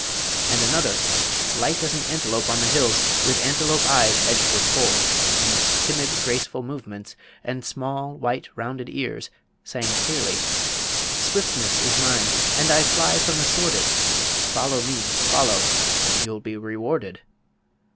And another, light as an antelope on the hills, with antelope eyes edged with kohl, and timid, graceful movements, and small, white, rounded ears, sang clearly: Swiftness is mine, and I fly from the sordid; Follow me, follow! and you'll be rewarded.